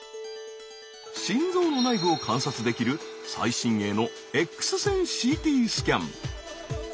心臓の内部を観察できる最新鋭のＸ線ＣＴスキャン。